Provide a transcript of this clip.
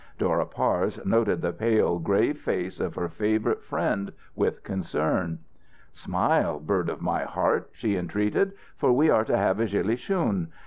Dora Parse noted the pale, grave face of her favourite friend with concern. "Smile, bird of my heart," she entreated, "for we are to have a gillie shoon.